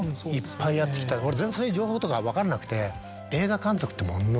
俺全然そういう情報とか分かんなくて。